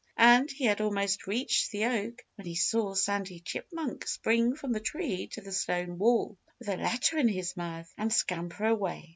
And he had almost reached the oak when he saw Sandy Chipmunk spring from the tree to the stone wall, with a letter in his mouth, and scamper away.